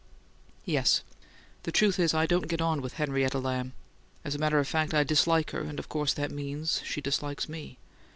"Yes. The truth is, I don't get on with Henrietta Lamb. As a matter of fact, I dislike her, and of course that means she dislikes me.